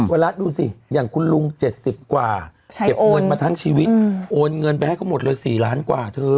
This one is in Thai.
เวลาดูสิอย่างคุณลุง๗๐กว่าเก็บเงินมาทั้งชีวิตโอนเงินไปให้เขาหมดเลย๔ล้านกว่าเธอ